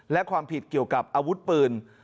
และความผิดเกี่ยวกับอาวุธปืน